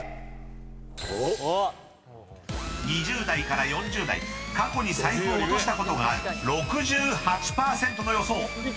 ［２０代から４０代過去に財布を落としたことがある６８％の予想］